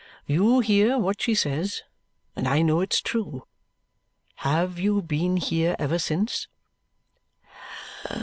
"You hear what she says, and I know it's true. Have you been here ever since?"